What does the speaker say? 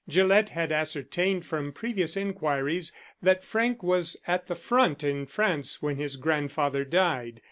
Gillett had ascertained from previous inquiries that Frank was at the front in France when his grandfather died.